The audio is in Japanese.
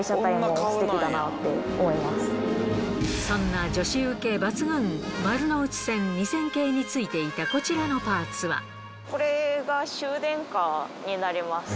そんなこちらのパーツは？